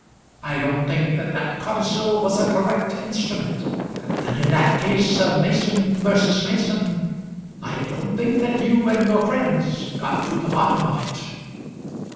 I don't think that that codicil was a correct instrument; and in that case of Mason versus Mason I don't think that you and your friends got to the bottom of it."